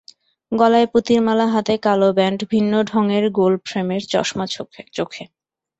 গলায় পুঁতির মালা, হাতে কালো ব্যান্ড, ভিন্ন ঢঙের গোল ফ্রেমের চশমা চোখে।